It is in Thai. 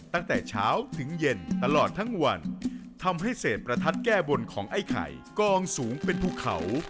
ตั้งแต่เช้าถึงเย็นตลอดทั้งวันทำให้เศษประทัดแก้บนของไอ้ไข่กองสูงเป็นภูเขา